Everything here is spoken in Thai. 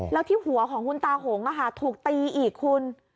แล้วที่หัวของคุณตาหงส์อ่ะค่ะถูกตีอีกคุณ